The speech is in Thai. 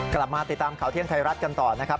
กลับมาติดตามข่าวเที่ยงไทยรัฐกันต่อนะครับ